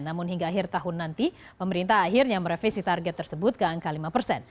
namun hingga akhir tahun nanti pemerintah akhirnya merevisi target tersebut ke angka lima persen